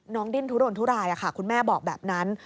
น้องดิ้นทุรนทุรายอะค่ะคุณแม่บอกแบบนั้น